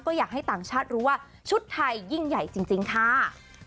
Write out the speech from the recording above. ก็อยากให้ต่างชาติรู้ว่าชุดไทยยิ่งใหญ่จริงค่ะ